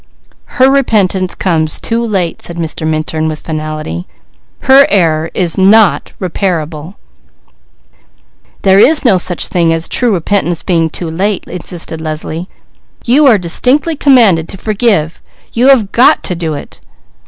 "Her repentance comes too late," said Mr. Minturn with finality. "Her error is not reparable." "There is no such thing as true repentance being too late," insisted Leslie. "You are distinctly commanded to forgive; you have got to do it!